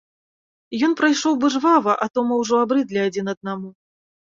Ён прайшоў бы жвава, а то мы ўжо абрыдлі адзін аднаму.